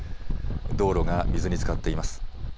道路が水につかっています。